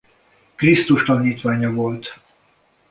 Krisztus tanítványa volt.